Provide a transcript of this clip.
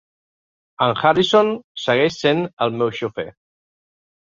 En Harrison segueix sent el meu xofer.